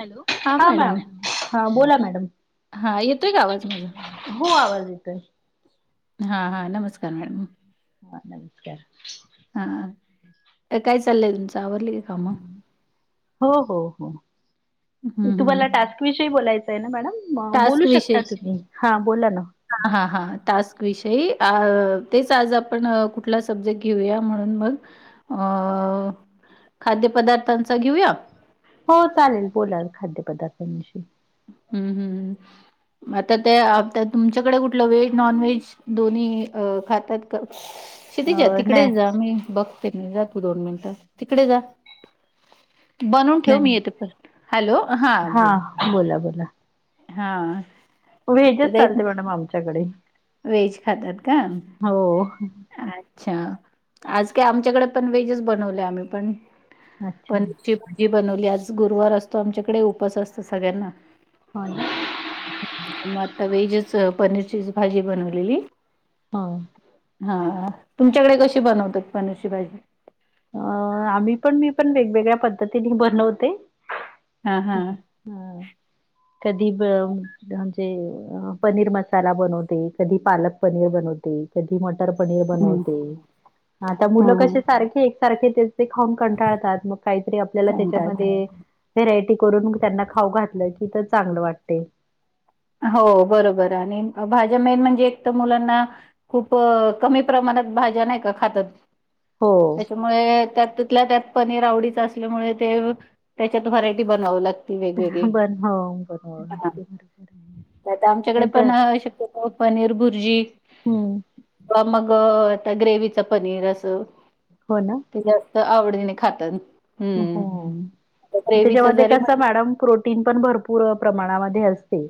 Hello हा madam ह बोला मॅडम हां येतोय य का आवाज माझा? हो आवाज येतोय हा हां नमस्कार मॅडम हा नमस्कार हा काय चाललंय तुमचं आवरलं काी काम हो हो हो हं, हं. तुम्हाला टास्क विषयी बोलायचं मॅडम बोलू शकता तुम्ही हा बोला ना हा हां हां टास्क विषयी तेच आज आपण कुठला सब्जेक्ट घेऊया म्हणून मग अ खाद्यपदार्थांचा घेऊया हो चालेल बोलाल खाद्यपदार्थांषयी हम्म हम् आता त्या तुमच्याकडे कुठलं व्हेज नॉन व्हेज दोन्ही खातात शेती जा अ तिकडेच जा नाही मी बघते जा तू दोन मिनिट तिकडे जा बनून ठेव मी नाही येते प हॅलो हां हा बोला बोला बोला हा वेहेजच चालते मॅडम आमच्याकडे वेहेज खातात का हो अच्छा आज काय आमच्याकडे पण व्हेजस बनवले आम्ही पण अच्छा पनीरची भाजी बनवली आज गुरुवार असतो आमच्याकडे उपवास असतो सगळ्यांना हो मग आता व्हेजच पनीरचीच भाजी बनवलेली हा हा तुमच्याकडे कशी बनवतात पनिरची भाजी अ आम्ही पण मी पण वेगवेगळ्या पद्धतीने बनवते हा हा हम कधी ब म्हणजे पनीर मसाला बनवते कधी पालक पनीर बनवते कधी मटर पनीर हम्म बनवते आता मुलं हम्म कसे सारखे एकसारखे ते ख कंटाळतात मग काहीतरी आपल्याला कंटाळ त्याच्यामध्ये. व्हेरायटी करून त्यांना खाऊ घातलं की तर चांगलं वाटते. हो बरोबर आणि भाज्या मेन म्हणजे एक तर मुलांना. खूप कमी प्रमाणात भाज्या नाही का खातात. हो. त्या त त्यात पनीर आवडीच असल्यामुळे ते त्याच्यात व्हरायटी बनव लाग. बर हो बरो बरोबर आहे. आमच्याकडे नाही तर पण शक्य पनीर भुर्जी. हम्म मग आता ग्रेवीच पनीर असं. हो ना ते जास्त आवडीने खातात. हो हम्म. ग्रेव्हीच त्याच्यामध्ये जरी कस म्हण मॅडम प्रोटीन पण भरपूर प्रमाणामध्ये असते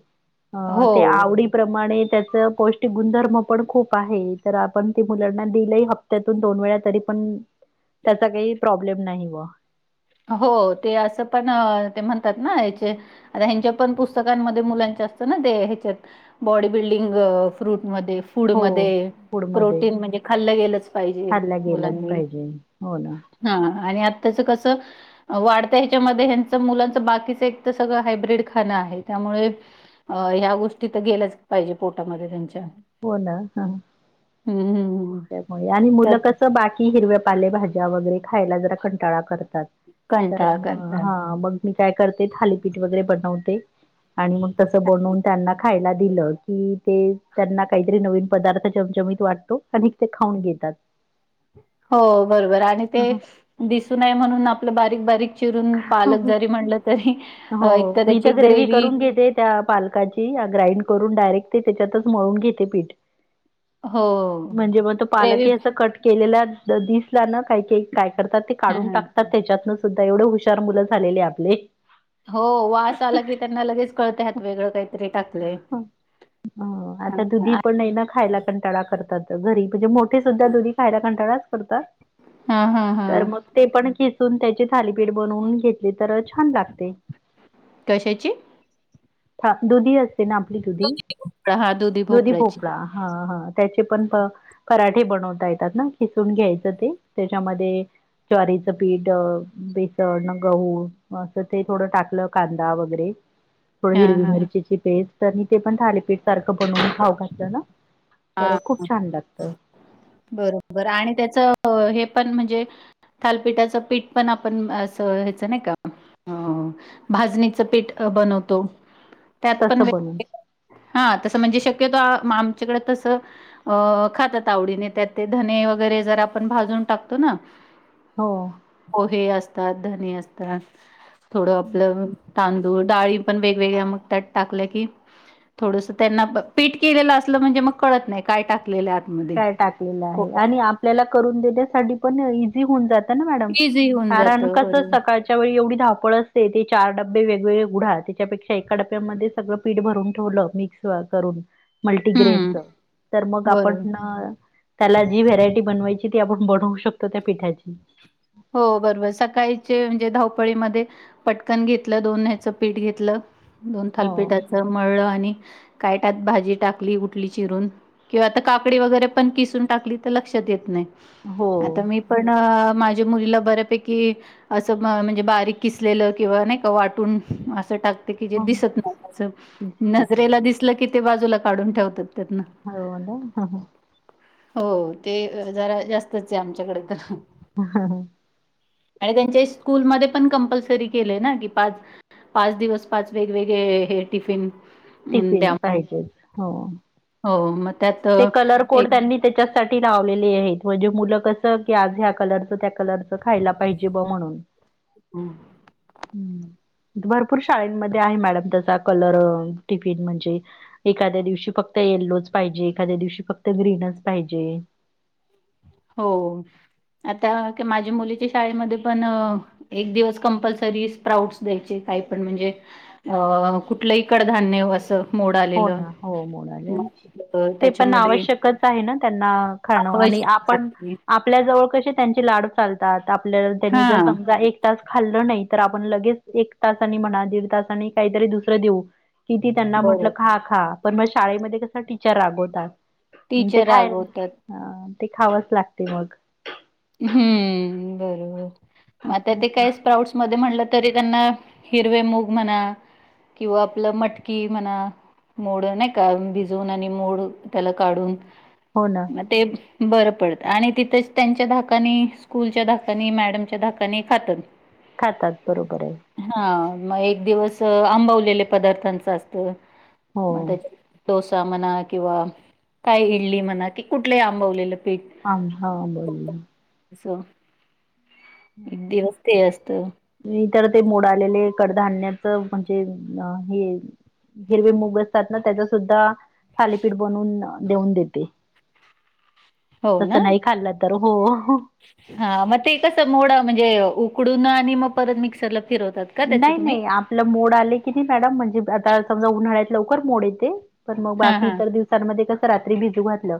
ते हो. आवडी प्रमाणे त्याच पौष्टिक गुणधर्म पण खूप आहे तर आपण ते मुलांना दिलं ह त्यातून दोन वेळा तरी पण त्याचा काही प्रॉब्लेम नाही व हो ते असं पण ते म्हण. हचे ह्यांच्या पण पुस्तकांमध्ये मुलांचे असत ना ते ह्याच्यात. बॉडी बिल्डिंग फ्रूटमध्ये हो फूडमध्ये फूडमध्ये प्रोटीन म्हणजे खाल्लं गेलंच पाहिजे खाल्ला गेलाच मुलांनी पाहिजे हो ना हा आणि आता त्याच कसं. वाढतं ह्याच्यामध्ये ह्यांच मुलांचं बाकीचं एक तर सगळं हायब्रीड खाणं आहे त्यामुळे अ ह्या गोष्टी तर गेल्याच पाहिजे पोटामध्ये त्यांच्या हो ना हा. हम् हम. त्याच्यामुळे आणि मुलं कसं बाकी हिरव्या पाले भाज्या वगैरे खायला जरा कंटाळा करतात. तर कंटाळा म करतात. हा मग मी काय करते थालीपीठ वगैरे बनवते. आणि मग तस बनवून त्यांना खायला दिलं की ते त्यांना काहीतरी नवीन पदार्थ चमचमीत वाटतो आणि ते खाऊन घेतात. हो बरोबर आणि ते दिसूनये म्हणून आपलं बारीक बारीक चिरून पालक जरी म्हणलं तरी. अ, हो एकतर मी तर त्याची ग्रेवी ग्रेव्ही करून घेते. त्या पालकाची ग्राइंड करून डायरेक्ट ते त्याच्यातच मळून घेते पीठ हो, म्हणजे मग तो ग्रेव्ही पालकही अस कट केलेल्या दिसला ना काही के काय करतात ते हं, काढून हं. टाकतात. त्याच्यातनं सुद्धा एवढं हुशार मुलं झालेले आपले हो वास आला की त्यांना लगेच कळतेात वेगळं काहीतरी टाकले. हो आता तुदीीप कंटाळा करतात घरी म्हणजे मोठे सुद्धा दुधी खायला कंटाळाच करतात हां, हां. तर हां. मग. ते पण खिसून त्याचे थालीपीठ बनवून घेतले तर छान लागते. कशाची? दुधी असते ना आपली दुधी हां, दुधी भोपळ्याची. भोपळा हा हा त्याचे पण कराठे बनवता येतात ना खिसून घ्यायचं ते त्याच्यामध्ये. च्वारीचं पीठ बेसन गहू असं ते. थोडं टाकलं कांदा वगैरे थोडं हां, हिरवी हां. मिरचीची पेस्ट. तर मी ते पण थालीपीठ सारखं बनवून खाऊ घातलं ना तर हा खूप छान लागत. बरोबर आणि त्याचं हे पण म्हणजे थालपीठाचं पीठ पण आपण असं ह्याचं नाही का? अ भाजणीचं पीठ बनवतो. त्यात पण तसं बनवून. हा तसं म्हणजे शक्यतो आमच्याकडे खातात आवडीने त्यात ते धने वगैरे जर आपण भाजून टाकतो ना. [inaudible] [unintelligible] हो! पोहे असतांत धनी असतांत थोडं आपलं तांदूळ डाळी पणं वेगवेगळ्यां मंग त्यांत टांकल्यां की थोडंसं त्यांना पीठ केलेलं असलं म्हणजे मंग कळतं नाहीं कायं टांकू. कायं टाकलेलं आहे आणि आपल्यांला करूंन देण्यांसांठी पंण हे होऊंन जातां नां मॅडम इझी होऊन कारणं. जातं बरोबर त्यांच वेळी एवढी धापळ असतें ते चार डबे वेगवेगळे उघडा त्यांच्यापेक्षा एका डब्यांमध्ये सगळं पीठ भरूंन ठेवलं मी. सुरवांतकरू मल्टी हम्म, गेस्टं चां मंग बरोबर. ज्यांलां ती व्हेरांयटी. बनवांयंची ती आपणं बणंवू शकतो त्यां पिठाची हो बरोबर सकाळीं चे म्हणजे धांवपळीमंध्ये पटकंन घेतलं दोन ह्यांचं पीठ घेतलं दोन हो. थांलपीठाचं मळलं आणि कांयंटाॅप भांजी टांकली उठली चिरून किंवा आतां काकडी वगैरे पणं किसूंन टांकली तरं लक्षांत येतं नाहीं. हो. आतां मी पणं माझ्यां मुलीला बऱ्यांपैकी असं म्हणजे बारीक किसलेलं किंवा नाहीं कां वाटूंन असं टांकलेल कि ते हो. दिसतं नाहीं दिसत नाही. नजरेलां दिसलं की ते बाजूलां काढूंन ठेवतांत. हाॅलो हं हं. हो ते जंरा जास्तंचं आहे आमच्यांकडे तर हां हां. आणि त्यांच्या स्कूलमंध्ये पणं कंपल्सरी केलें नां की पांच. पांच दिवसं पांच वेगवेगळे हे टिफिन अं, टिफिन द्या पाहिजेच हो. हो मंग त्यांत एक. त्यांच्यासाठी लावलेली आहेतं म्हणजे मुलं कसं की आजं ह्या कलरच त्यां कलरचं खांयलां पाहिजे बाॅ म्हणूंन. हम्. [unintelligible] हम्मं [unintelligible] भरंपूर शाळेमंध्ये आहे मॅडम तसां कलर टिफिनं चे एखाद्यां दिवंशी फक्तं येल्लोचं पाहिजे एखाद्यां दिवंशी फक्तं ग्रीनचं पाहिजे हो आतां त्यां माझ्यां मुलींच्यां शाळेमंध्ये पणं एक दिवंस कंपल्सरी स्पाउटसं द्यांयंचे कांहीं पणं म्हणजे अ कुठलंही कड धान्यं असं मोड हो आलेलं नां हो मोळं आलें मग आंची अ, ते पणं त्याच्यामध्ये आवश्यंकचं आहे नां त्यांना खाणं आणि आवश्यक आपणं आहे. आपल्यां जवळं कशी त्यांची लाडं चालतांत आपल्यांला त्यांनी जर हा समंजा एक एक तांस खाल्लं नाहीं तरं आपणं लगेचं एक तासांनी म्हणां किंवा दीड तासांनी कांहीतरी दुसरं देऊं किती त्यांना म्हं बरोबर हां पणं मंग शाळेमंध्ये कसं टीचर रांगवतांत म्हणे टीचर खायचं रागवतात ते अ ते खावांचं लागते मंग हम्मं बरोबर मंग आतां असं ते होतं. कायंच प्राऊड मंध्येम्हणलं तरी त्यांना हिरवे मुंग म्हणां. किंवा आपलीं मटकी म्हणां. मोड नाहीं कां भिजूंन आणि मोड त्यांला काढूंन हो नां. ते बरं पडतं आणि ते त्यांच्या धांकाने धांकान स्कूंलच्या धांकानी मॅडमच्यां धांकानी खांतांत खांतांत बरोबर आहे. हा मंग एक दिवंस आंबवलेले पदार्थांच असतं हो मंग त्यां डोसा म्हणा किंवा कायं इडली म्हणां कि कुठले आंबवलेलं पीठ आम हा बोल [unintelligible] अस. एक दिवस ते असत. इतर ते मोडा आलेले कडधान्याच म्हणजे अ हे. हिरवे मुग असतात, ना त्याच सुद्धा थालीपीठ बनवून देऊन देते. तसं नाही खाल्लं तर हो हा मग ते कस मोडं? म्हणजे उकडून आणि मग परत मिक्सरला फिरवतात. का त्याचं नाही तुम्ही? नाही आपलं मोड आले की नाही, मॅडम म्हणजे आता समजा उन्हाळ्यात लवकर मोड येते. पण मग हां, बाकी हां. इतर दिवसांमध्ये कस? रात्री भिजू घातलं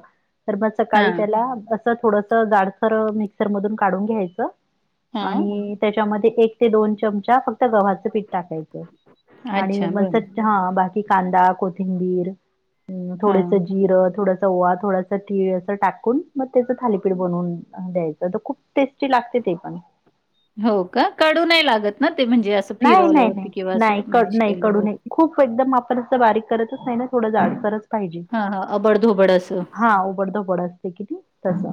तर मग सकाळी हां, त्याला अस थोडस जाडसर मिक्सर मधून काढून घ्यायचं हां. आणि त्याच्यामध्ये एक ते दोन चमचा फक्त गव्हाचं पीठ टाकायचं आणि अच्छा म बरं. हं. हा बाकी कांदा, कोथिंबीर, थोडस हां. जिरं, थोडासा ओवा, थोडा च्या तीळ असं टाकून मग त्याचं थालीपीठ बनवून द्यायचं, तर खूप टेस्टी लागते ते पण हो का? कडू नाही लागत ना ते म्हणजे अस नाही नाही नाही नाही नाही कडू नाही कडू केल्यावरती? खूप एकदम आपण असं बारीक करतच नाही ना, थोडं जाड सरच पाहिजे हां, हां. अबड-धोबड असं. हा ओबडधोबड असते कनी तस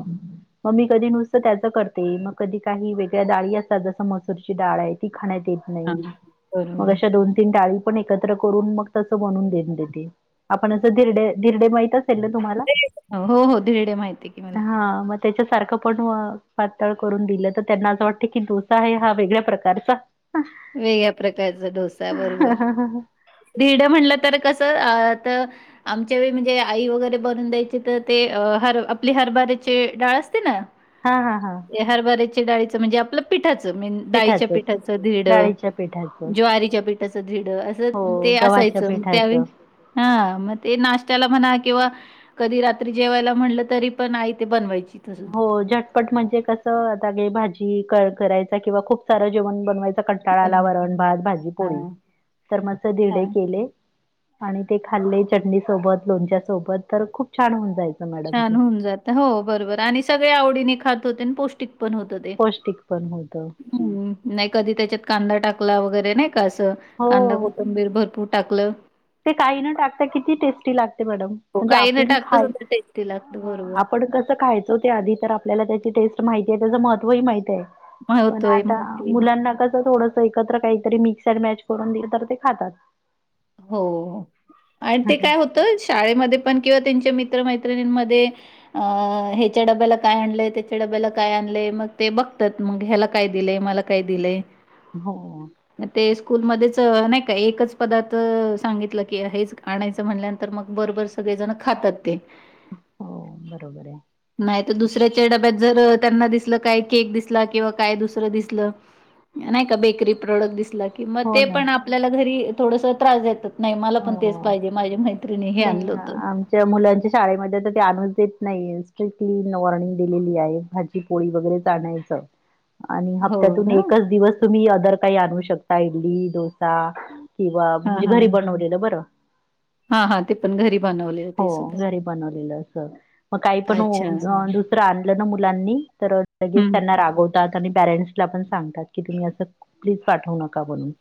मग मी कधी नुसतं त्याचं करते, मग कधी काही वेगळ्या डाळी असतात. जसं मसूरची डाळ आहे ती खाण्यात येत हां, नाही मग बरोबर. अशा दोन तीन डाळी पण एकत्र करून मग त्याचे बनवून देते. आपण आस धिरडे, धिरडे माहित असतील कळलं तुम्हाला हो, हो. धिरडे माहिती आहे की मला. हा म त्याच्या सारखं पण पातळ करून दिलं, तर त्यांना असं वाटत की डोसा आहे हा वेगळ्या प्रकारचा वेगळ्या प्रकारचा डोसा बरोबर धिरड म्हणलं तर कसं? आ त आमच्या वेळी म्हणजे आई वगैरे बनून द्यायची तर, ते हर आपली हरभाऱ्याची डाळ असते ना हा हा हा. ते हरभऱ्याच्या डाळीच म्हणजे आपल पिठाच डाळीच्या पिठाचंच. पिठाच धिरड, डाळीच्या पिठाचं. ज्वारी ज्वारीच्या पिठाचं धिरड असं हो, ते गव्हाच्या असायचं त्यावेळी पिठाचं. हा मग ते नाश्त्याला म्हणा किंवा कधी रात्री जेवायला म्हटलं तरी पण आई ते बनवायची? तसं हो झटपट म्हणजे कसं आता काय भाजी करायचा? किंवा खूप सारं जेवण बनवायचं कंटाळा आला बनवाय वरण, भात, भाजी, पोळी हां, तर मस्त धिरडे हां. केले, आणि ते खाल्ले चटणी सोबत, लोणच्यासोबत तर खूप छान होऊन जाइल छान होऊन जात, हो बरोबर आणि सगळे आवडीने खात होते आणि पौष्टिक पण होत ते पौष्टिक पण होतं. हम्म नाही कधी त्याच्यात कांदा टाकला वगैरे नाही का असं कांदा, हो. कोथंबीर भरपूर टाकलं. ते काही न टाकता किती टेस्टी लागते मॅडम? हो, म्हणजे काही न आपली टाकता खाय सुद्धा टेस्टी लागतं. बरोबर. आपण कस? खायचं ते आधी तर आपल्याला त्याची टेस्ट, माहिती आहे, त्याचं महत्वही माहित आहे. पण महत्व आहे आता माहिती. मुलांना कस थोडस? एकत्र काहीतरी मिक्सड मॅच करून दिल तर ते खातात. हो आणि हा ते हा काय होत? तूच शाळेमध्ये पण किंवा त्यांच्या मित्रमैत्रिणींमध्ये अ ह्याच्या डब्याला काय आणलंय? त्याच्या डब्याला काय आणलंय? मग ते बघतात मग ह्याला काय दिलेय मला? काय दिलंय? हो. मग ते स्कूलमध्येध्येच नाही का एकच पदार्थ? सांगितलं की हेच आणायचं म्हणल्यानंतर मग बरबर सगळे जण खातात ते हो बरोबर आहे. नाही तर दुसऱ्याच्या डब्यात, जर त्यांना दिसलं काय? केक दिसला किंवा काय दुसरं दिसलं नाही का बेकरी प्रॉडक्ट दिसला की मग हो ते ना पण आपल्याला घरी थोडस त्रास देतात. नाही मला पण तेच हो पाहिजे माझ्या मैत्रिणी हे नाही आणलं हा होत. आमच्या मुलांच्या शाळेमध्ये तर ते आणस देत नाही स्ट्रिकट कली वॉर्निंग दिलेली आहे. पोळी वगैरच आणायच. [unintelligible] आणि हो हप्त्यातून ना. एकच दिवस तुम्ही अदर काही आणू शकता इडली डोसा किंवा म्हणजे घरी बनवलेलं बरं. हा हा ते पण घरी बनवले. हो घरी बनवलेलं असं. मग काही पण अच्छा. दुसरं आणलं ना मुलांनी तर लगेच हं. त्यांना रागवत. आणि पॅरेंट्सला पण सांगतात की तुम्ही असं प्लीज पाठवू नका म्हणून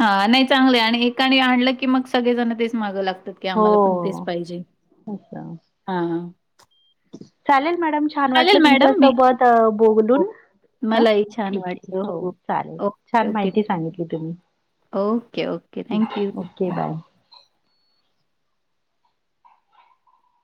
हा नाही चांगलं आणि एकाणी आणलं की मग सगळेजण तेच मागं लागतात. की आम्हाला पण तेच हो पाहिजे असं हा. चालेल मॅडम छान चालेल वाटलं तुमच्या मॅडम मी सोबत हो, बोलून हो. हा मलाही छान ठीक आहे वाटलं. हो चालेल ओके, छान ओके. माहिती सांगितली तुम्ही? Okay okay thank you bye.